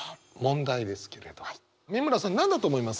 美村さん何だと思います？